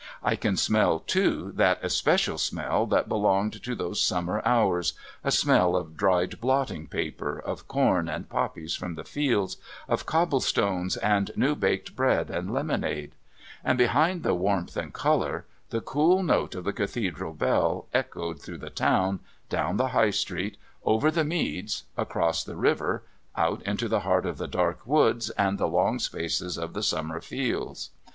I can smell, too, that especial smell that belonged to those summer hours, a smell of dried blotting paper, of corn and poppies from the fields, of cobble stones and new baked bread and lemonade; and behind the warmth and colour the cool note of the Cathedral bell echoed through the town, down the High Street, over the meads, across the river, out into the heart of the dark woods and the long spaces of the summer fields.